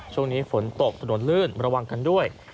ช่วงนี้ฝนตกถนนลื่นระวังกันด้วย